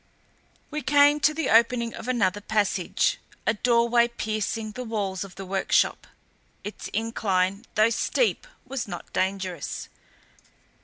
We came to the opening of another passage, a doorway piercing the walls of the workshop. Its incline, though steep, was not dangerous.